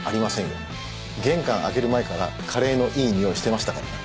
玄関開ける前からカレーのいいにおいしてましたから。